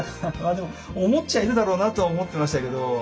でも思っちゃいるだろうなとは思ってましたけど。